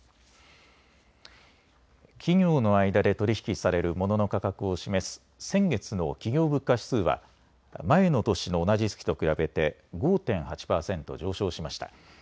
企業の間で取り引きされるモノの価格を示す先月の企業物価指数は前の年の同じ月と比べて５．８％上昇しました。